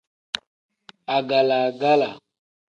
Agala-gala.